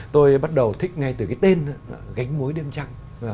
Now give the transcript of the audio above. tôi bắt đầu thích ngay từ cái tên gánh muối đêm trăng